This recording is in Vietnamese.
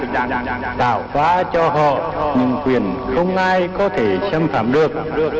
chúng ta cho họ những quyền không ai có thể xâm phạm được